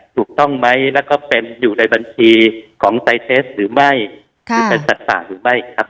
ถูกต้องไหมแล้วก็เป็นอยู่ในบัญชีของไตเซสหรือไม่หรือเป็นสัตว์ป่าหรือไม่ครับ